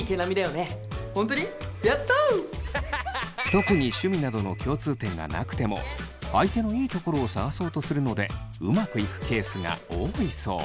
特に趣味などの共通点がなくても相手のいいところを探そうとするのでうまくいくケースが多いそう。